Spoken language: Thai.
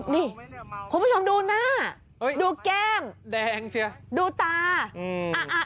นี่คุณผู้ชมดูหน้าดูแก้มดูตา